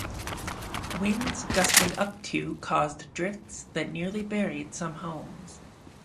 Winds gusting up to caused drifts that nearly buried some homes.